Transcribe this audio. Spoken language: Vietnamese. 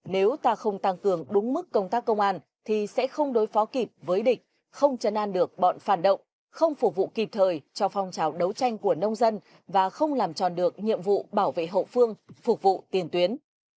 nếu ta không tăng cường đúng mức công tác công an thì sẽ không đối phó kịp với địch không chấn an được bọn phản động không phục vụ kịp thời cho phong trào đấu tranh của nông dân và không làm tròn được nhiệm vụ bảo vệ hậu phương phục vụ tiền tuyến